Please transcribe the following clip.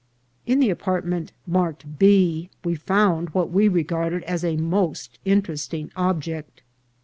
In the apartment marked B we found what we re garded as a most interesting object.